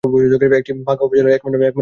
এটি বাঘা উপজেলার একমাত্র রেলওয়ে স্টেশন।